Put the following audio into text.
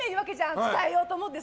伝えようと思ってさ。